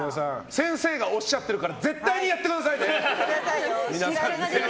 先生がおっしゃってるから絶対にやってくださいね！